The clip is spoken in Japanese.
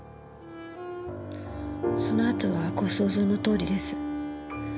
その後はご想像のとおりです。